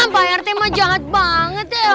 pak rt mah jahat banget ya